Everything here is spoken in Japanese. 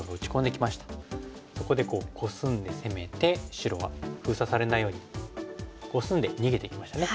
そこでコスんで攻めて白は封鎖されないようにコスんで逃げていきましたね。